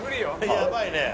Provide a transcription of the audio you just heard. やばいね。